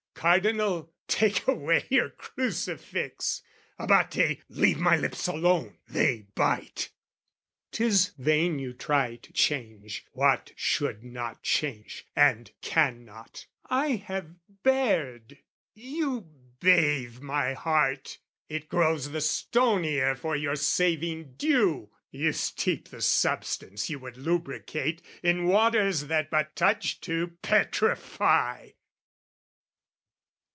Cardinal, take away your crucifix! Abate, leave my lips alone, they bite! 'Tis vain you try to change, what should not change, And cannot. I have bared, you bathe my heart It grows the stonier for your saving dew! You steep the substance, you would lubricate, In waters that but touch to petrify!